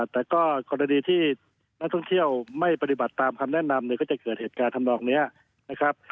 แต่ก็กรณีที่นักท่องเที่ยวไม่ปฏิบัติตามคำแนะนำเนี่ยก็จะเกิดเหตุการณ์ทำนองนี้นะครับ